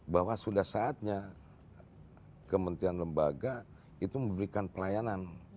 bahwa sudah saatnya kementerian lembaga itu memberikan pelayanan